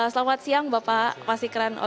selamat siang bapak sikran